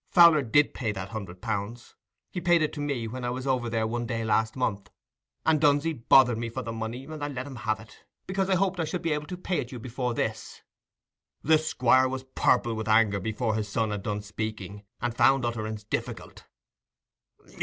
"Fowler did pay that hundred pounds. He paid it to me, when I was over there one day last month. And Dunsey bothered me for the money, and I let him have it, because I hoped I should be able to pay it you before this." The Squire was purple with anger before his son had done speaking, and found utterance difficult.